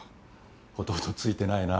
ほとほとついてないな。